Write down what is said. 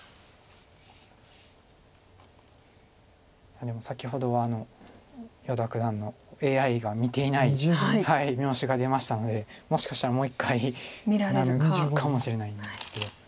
いやでも先ほどは依田九段のＡＩが見ていない妙手が出ましたのでもしかしたらもう一回見られるかもしれないんですけど。